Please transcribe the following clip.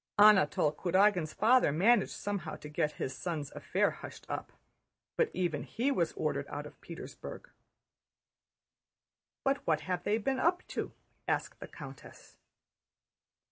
Anatole Kurágin's father managed somehow to get his son's affair hushed up, but even he was ordered out of Petersburg." "But what have they been up to?" asked the countess.